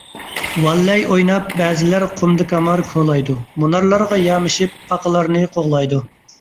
«ۋاللەي» ئويناپ بەزىلەر قۇمدا كامار كولايدۇ، مۇنارلارغا يامىشىپ، پاقىلارنى قوغلايدۇ.